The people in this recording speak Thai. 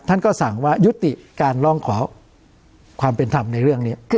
ท่านก็สั่งว่ายุติการร้องขอความเป็นธรรมในเรื่องนี้